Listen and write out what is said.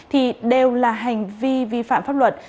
thì đều là hành vi vi phạm pháp luật